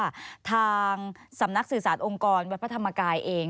ทางสำนักสื่อสารองค์กรวัดพระธรรมกายเอง